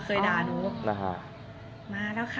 เคยด่านุมาแล้วค่ะ